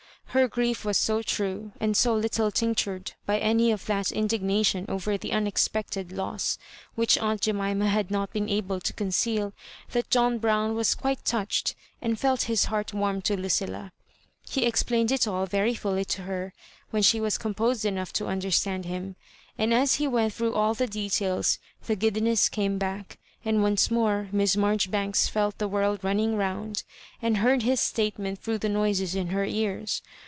Her grief was so true, and so little tinctured by any of that indignation over the unexpected los^ which aunt Jemima had not been able to conceal, that John Brown was quite touched, and felt liis heart warm to LucUla. He explained it all very fidly to her when she was composed enough to under stand him ; and as he went through aU the details the giddiness came back, and once more Miss Marjoribanks felt the world running round, and heard his statement through the noises in her ears.